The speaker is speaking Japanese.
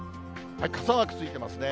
傘マークついてますね。